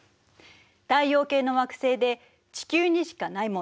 太陽系の惑星で地球にしかないもの